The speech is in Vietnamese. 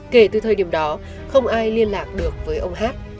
kể từ thời điểm đó không ai liên lạc được với ông hát